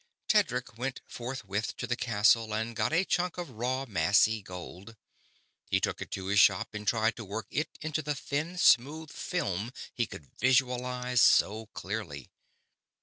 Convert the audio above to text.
Tedric went forthwith to the castle and got a chunk of raw, massy gold. He took it to his shop and tried to work it into the thin, smooth film he could visualize so clearly.